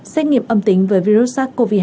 xét nghiệm âm tính với virus sars cov hai